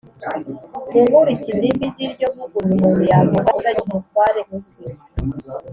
Mu nkurikizi mbi z'iryo vugurura, umuntu yavuga kutagira umutware uzwi